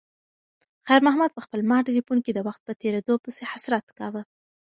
خیر محمد په خپل مات تلیفون کې د وخت په تېریدو پسې حسرت کاوه.